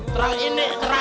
terang ini terang loh terang